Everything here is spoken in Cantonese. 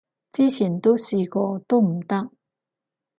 之前都試過都唔得